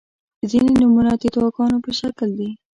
• ځینې نومونه د دعاګانو په شکل دي.